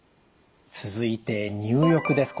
続いて入浴です。